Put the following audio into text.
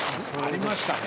ありましたね。